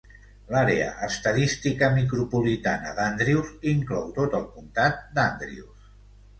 L'àrea estadística micropolitana d'Andrews inclou tot el comtat d'Andrews.